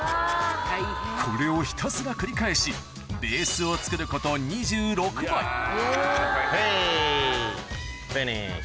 これをひたすら繰り返しベースを作ることヘイ。